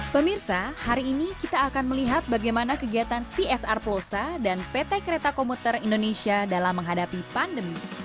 pemirsa hari ini kita akan melihat bagaimana kegiatan csr plosa dan pt kereta komuter indonesia dalam menghadapi pandemi